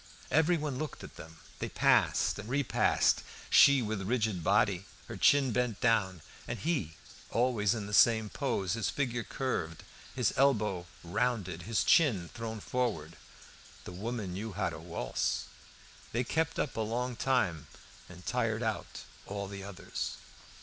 Everyone looked at them. They passed and re passed, she with rigid body, her chin bent down, and he always in the same pose, his figure curved, his elbow rounded, his chin thrown forward. That woman knew how to waltz! They kept up a long time, and tired out all the others.